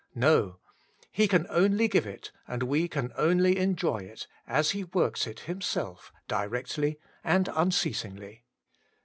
No ; He can only give it, and we can only enjoy it, as He works it Himself directly and imceasingly.